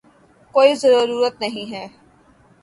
کوئی ضرورت نہیں ہے